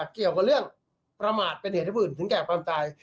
เกี่ยวกับเรื่องประมาทเป็นเหตุให้ผู้อื่นถึงแก่ความตาย